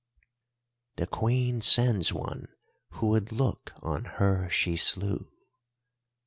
"'The Queen sends one who would look on her she slew.